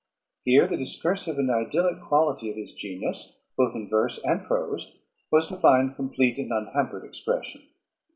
Here the discursive and idyllic quality of his genius, both in verse and prose, was to find complete and unhampered expression.